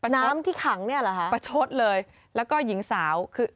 น้ำที่ขังเนี่ยเหรอฮะประชดเลยแล้วก็หญิงสาวคือ